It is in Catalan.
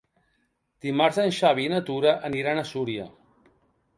Dimarts en Xavi i na Tura aniran a Súria.